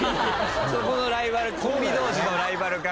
そこのライバルコンビ同士のライバル関係ね。